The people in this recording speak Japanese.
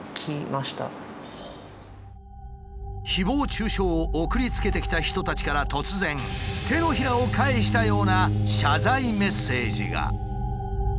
誹謗中傷を送りつけてきた人たちから突然手のひらを返したような謝罪メッセージが。